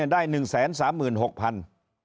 ได้๑๓๖๐๐๐บาท